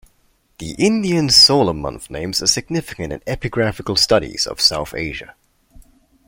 The Indian solar month names are significant in epigraphical studies of South Asia.